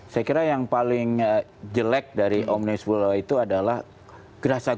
saya kira yang paling jelek dari omnibus law itu adalah gerakan